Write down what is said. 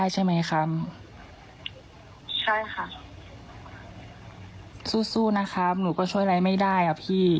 ใช่ค่ะสู้นะครับหนูก็ช่วยอะไรไม่ได้อ่ะพี่